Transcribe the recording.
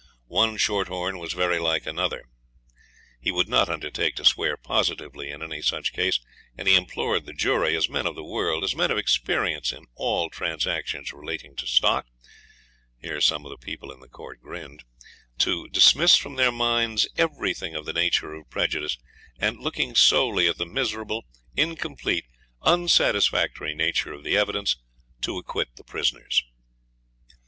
One short horn was very like another. He would not undertake to swear positively in any such case, and he implored the jury, as men of the world, as men of experience in all transactions relating to stock (here some of the people in the court grinned) to dismiss from their minds everything of the nature of prejudice, and looking solely at the miserable, incomplete, unsatisfactory nature of the evidence, to acquit the prisoners.